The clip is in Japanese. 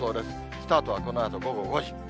スタートはこのあと午後５時。